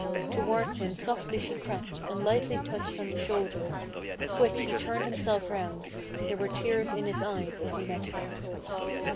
Towards him softly she crept, and lightly touched on the shoulder; Quick he turned himself round: there were tears in his eyes as he met her.